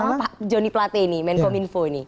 terutama pak jonny plate ini menkominfo ini